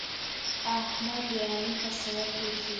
احمد د علي په سايه کې اوسېږي.